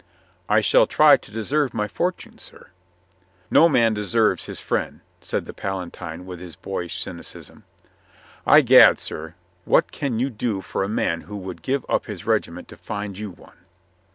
"I shall try to deserve my fortune, sir." "No man deserves his friend," said the Palatine with his boyish cynicism. "I'gad, sir, what can you do for a man who would give up his regiment to find you one?"